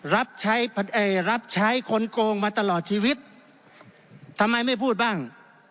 รับใช้เอ่อรับใช้คนโกงมาตลอดชีวิตทำไมไม่พูดบ้าง